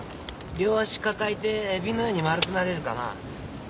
両足抱えてエビのように丸くなれるかな？